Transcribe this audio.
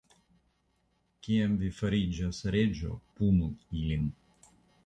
Kiam vi fariĝos reĝo, punu ilin.